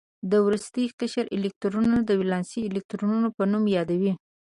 د وروستي قشر الکترونونه د ولانسي الکترونونو په نوم یادوي.